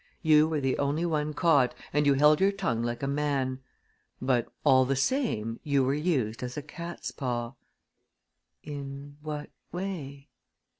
You were the only one caught and you held your tongue like a man; but, all the same, you were used as a cat's paw." "In what way?"